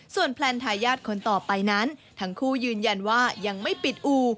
แพลนทายาทคนต่อไปนั้นทั้งคู่ยืนยันว่ายังไม่ปิดอู่